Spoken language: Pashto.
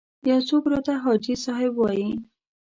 یو څوک راته حاجي صاحب وایي.